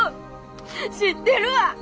知ってるわ！